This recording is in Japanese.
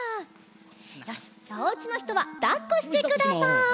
よしじゃあおうちのひとはだっこしてください。